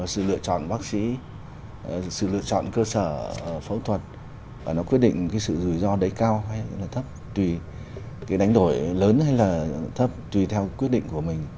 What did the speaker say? sự lựa chọn bác sĩ sự lựa chọn cơ sở phẫu thuật và nó quyết định cái sự rủi ro đấy cao hay là thấp tùy cái đánh đổi lớn hay là thấp tùy theo quyết định của mình